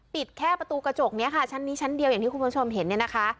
ปิดแค่ประตูกระจกนี้ชั้นนี้ชั้นเดียวอย่างที่คุณผู้ชมเห็น